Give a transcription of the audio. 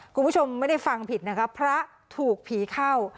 คุณผู้ชมไม่ได้ฟังผิดนะคะพระถูกผีเข้า